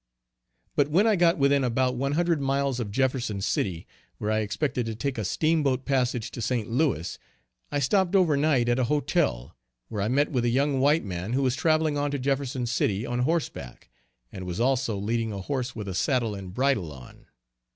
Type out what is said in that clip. But when I got within about one hundred miles of Jefferson city, where I expected to take a Steamboat passage to St. Louis, I stopped over night at a hotel, where I met with a young white man who was traveling on to Jefferson City on horse back, and was also leading a horse with a saddle and bridle on.